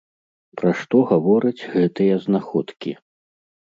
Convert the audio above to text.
Пра што гавораць гэтыя знаходкі?